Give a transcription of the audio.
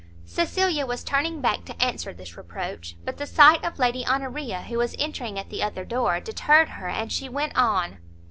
Cecilia was turning back to answer this reproach, but the sight of Lady Honoria, who was entering at the other door, deterred her, and she went on.